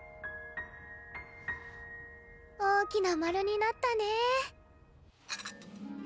大きな丸になったねえ。